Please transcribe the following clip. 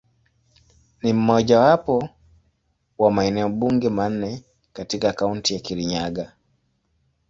Ni mojawapo wa maeneo bunge manne katika Kaunti ya Kirinyaga.